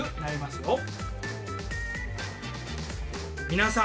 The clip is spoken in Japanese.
皆さん